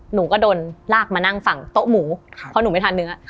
หนูก็โดนลากมานั่งฝั่งโต๊ะหมูครับเพราะหนูไม่ทันเนื้อ